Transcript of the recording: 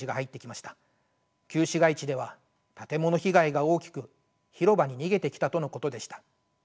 旧市街地では建物被害が大きく広場に逃げてきたとのことでした。